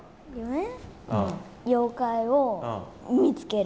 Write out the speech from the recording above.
妖怪を見つける。